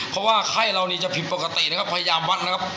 เพราะว่าไข้เรานี่จะผิดปกตินะครับพยายามวัดนะครับ